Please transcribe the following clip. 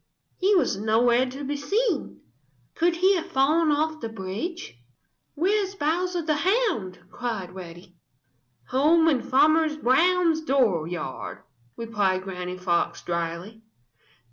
He was nowhere to be seen. Could he have fallen off the bridge? "Where is Bowser the Hound?" cried Reddy. "Home in Farmer Brown's dooryard," replied Granny Fox dryly.